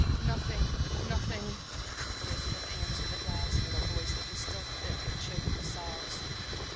"Nothing nothing," Elizabeth answered at last, in a voice that was still thick and choked with sobs.